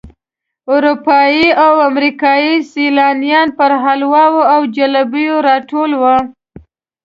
اروپایي او امریکایي سیلانیان پر حلواو او جلبیو راټول وي.